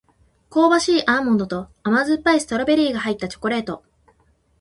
香ばしいアーモンドと甘酸っぱいストロベリーが入ったチョコレート